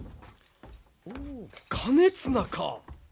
おお兼綱か。